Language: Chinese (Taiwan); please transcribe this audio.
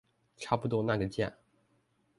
差不多那個價